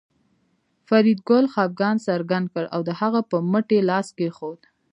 فریدګل خپګان څرګند کړ او د هغه په مټ یې لاس کېښود